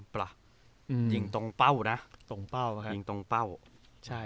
ตรงเป้ายิงตรงเป้า